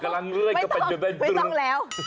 เดี๋ยวไม่ต้องไม่ต้องแล้ว